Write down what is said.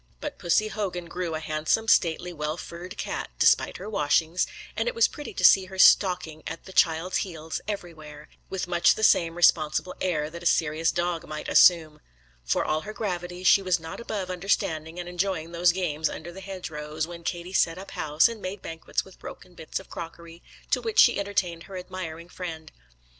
But Pussy Hogan grew a handsome, stately, well furred cat, despite her washings; and it was pretty to see her stalking at the child's heels everywhere, with much the same responsible air that a serious dog might assume. For all her gravity, she was not above understanding and enjoying those games under the hedgerows, when Katie set up house, and made banquets with broken bits of crockery, to which she entertained her admiring friend.